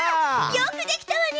よくできたわね。